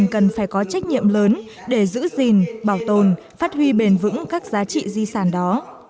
cần phải có trách nhiệm lớn để giữ gìn bảo tồn phát huy bền vững các giá trị di sản đó